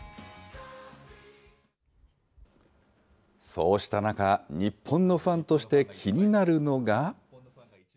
そうした中、日本のファンとして気になるのが。